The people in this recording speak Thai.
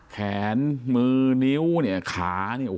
แขนมือนิ้วขา